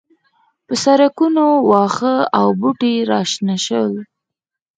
پر سړکونو واښه او بوټي راشنه شول